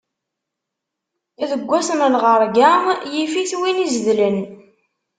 Deg wass n lɣeṛga, yif-it win izedlen.